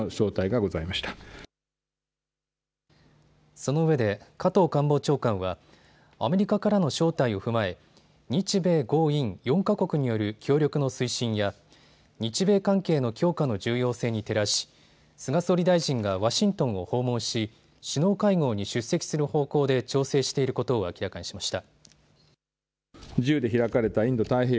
そのうえで加藤官房長官はアメリカからの招待を踏まえ日米豪印４か国による協力の推進や日米関係の強化の重要性に照らし菅総理大臣がワシントンを訪問し首脳会合に出席する方向で調整していることを明らかにしました。